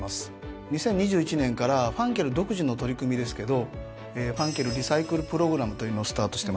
２０２１年からファンケル独自の取り組みですけど「ＦＡＮＣＬリサイクルプログラム」というのをスタートしてます。